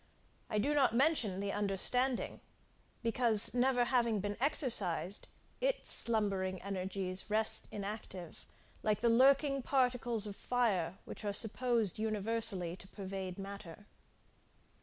I do not mention the understanding, because never having been exercised, its slumbering energies rest inactive, like the lurking particles of fire which are supposed universally to pervade matter.